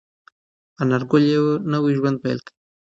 انارګل یو نوی ژوند پیل کړ.